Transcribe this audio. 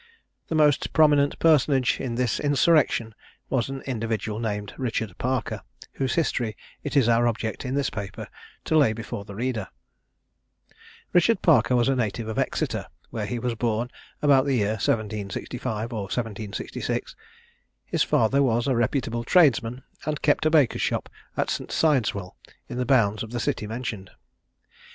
The most prominent personage in this insurrection was an individual named Richard Parker, whose history it is our object in this paper to lay before the reader. Richard Parker was a native of Exeter, where he was born about the year 1765 or 1766. His father was a reputable tradesman, and kept a baker's shop at St. Sidwell's, in the bounds of the city mentioned.